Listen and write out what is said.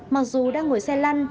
mặc dù đang ngồi xe lăn